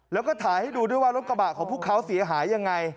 แล้วก็ถ่ายให้ดูด้วยว่ารถกระบะของพวกเขาเสียหายยังไง